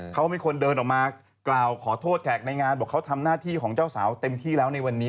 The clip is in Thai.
เขามีคนเดินออกมากล่าวขอโทษแขกในงานบอกเขาทำหน้าที่ของเจ้าสาวเต็มที่แล้วในวันนี้